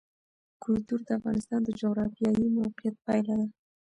کلتور د افغانستان د جغرافیایي موقیعت پایله ده.